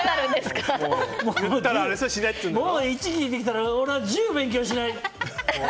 もう俺は１聞いてきたら１０勉強しない！